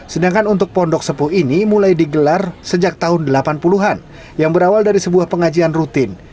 sedangkan untuk pondok sepuh ini mulai digelar sejak tahun delapan puluh an yang berawal dari sebuah pengajian rutin